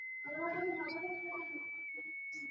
منافق انسان خطرناک وي.